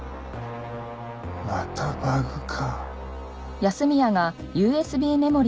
またバグか。